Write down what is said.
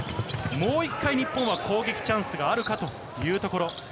もう一回、日本は攻撃チャンスがあるかというところ。